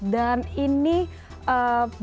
dan ini berhasil